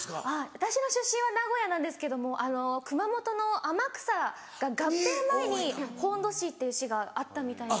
私の出身は名古屋なんですけども熊本の天草が合併前に本渡市っていう市があったみたいでして。